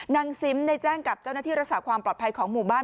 ซิมได้แจ้งกับเจ้าหน้าที่รักษาความปลอดภัยของหมู่บ้าน